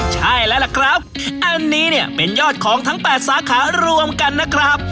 ใช่แล้วล่ะครับอันนี้เนี่ยเป็นยอดของทั้ง๘สาขารวมกันนะครับ